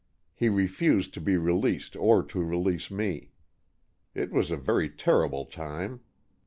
He refused to be released or to release me. It was a very terrible time.